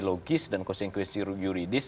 logis dan konsekuensi juridis